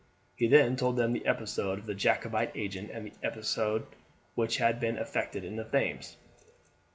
He then told them the episode of the Jacobite agent, and the escape which had been effected in the Thames.